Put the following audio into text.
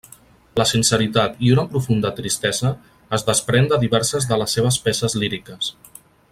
La sinceritat i una profunda tristesa es desprèn de diverses de les seves peces líriques.